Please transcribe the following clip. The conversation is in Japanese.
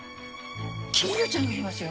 金魚ちゃんがいますよ。